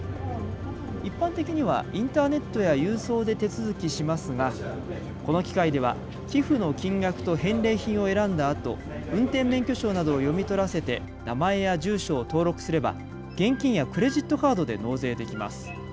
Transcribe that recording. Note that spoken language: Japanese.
一般的にはインターネットや郵送で手続きしますがこの機械では寄付の金額と返礼品を選んだあと運転免許証などを読み取らせて名前や住所を登録すれば現金やクレジットカードで納税できます。